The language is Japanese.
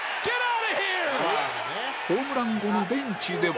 ホームラン後のベンチでは